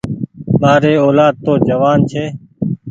مآري اولآد تو جوآن ڇي۔